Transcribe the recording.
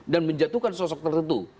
dan menjatuhkan sosok tertentu